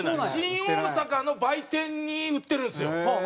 新大阪の売店に売ってるんですよ。